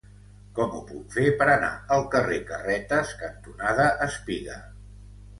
Com ho puc fer per anar al carrer Carretes cantonada Espiga?